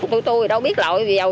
tụi tôi đâu biết lỗi gì đâu